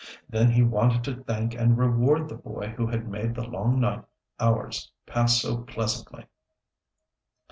Then he wanted to thank and reward the boy who had made the long night hours pass so pleasantly.